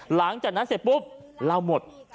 หลังจากนั้นเสร็จปุ๊บเราหมด